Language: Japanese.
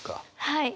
はい。